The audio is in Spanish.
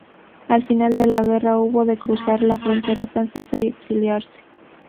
Al final de la guerra hubo de cruzar la frontera francesa y exiliarse.